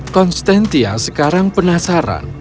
konstantia sekarang penasaran